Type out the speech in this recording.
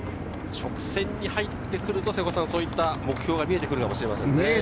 直線に入ってくると目標が見えてくるかもしれませんね。